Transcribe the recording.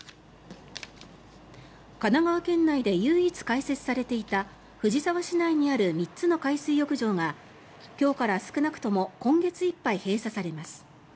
神奈川県内で唯一開設されていた藤沢市内にある３つの海水浴場が今日から少なくとも今月いっぱい閉鎖されます。